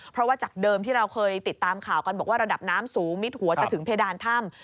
เพราะว่าจากเดิมที่เราเคยติดตามข่าวกันบอกว่าระดับน้ำสูงมิดหัวจะถึงเพดานถ้ำ